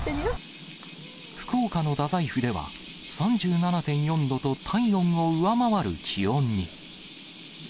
福岡の太宰府では、３７．４度と、体温を上回る気温に。